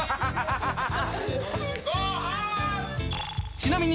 ［ちなみに］